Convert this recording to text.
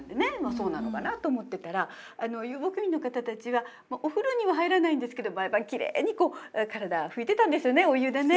そうなのかなと思ってたら遊牧民の方たちはお風呂には入らないんですけどやっぱりきれいに体拭いてたんですよねお湯でね。